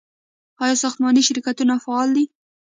آیا ساختماني شرکتونه فعال دي؟